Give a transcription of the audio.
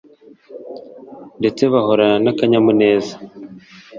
ndetse bahorana akanyamuneza